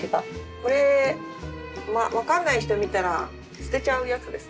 これ分かんない人見たら捨てちゃうやつですね。